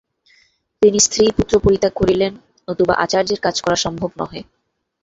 তিনি স্ত্রী-পুত্র পরিত্যাগ করিলেন, নতুবা আচার্যের কাজ করা সম্ভব নহে।